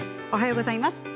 おはようございます。